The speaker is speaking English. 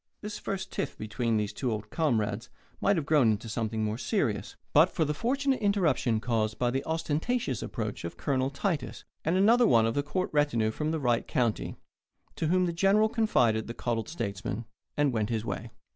This first tiff between the two old comrades might have grown into something more serious, but for the fortunate interruption caused by the ostentatious approach of Colonel Titus and another one of the court retinue from the right county, to whom the General confided the coddled statesman and went his way.